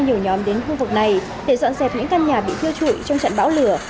nhiều nhóm đến khu vực này để dọn dẹp những căn nhà bị thiêu trụi trong trận bão lửa